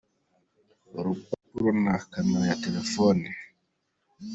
uruparuro na camera ya telefone.